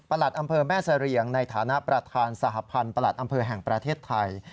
อำเภอแม่เสรียงในฐานะประธานสหพันธ์ประหลัดอำเภอแห่งประเทศไทย